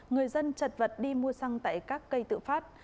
người dân chật vật đi mua xăng tại các cây tự phát